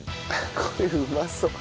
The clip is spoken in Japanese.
これうまそう。